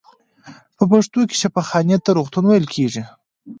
په پښتو کې شفاخانې ته روغتون ویل کیږی.